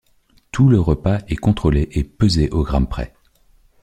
Tout le repas est contrôlé et pesé au gramme près.